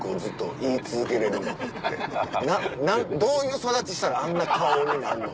「どういう育ちしたらあんな顔になんの？